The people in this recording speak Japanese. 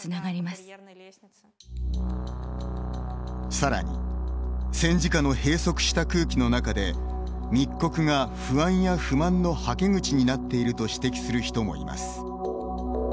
更に戦時下の閉塞した空気の中で密告が不安や不満のはけ口になっていると指摘する人もいます。